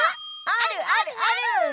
あるあるある！